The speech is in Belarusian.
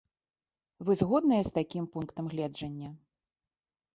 Вы згодныя з такім пунктам гледжання?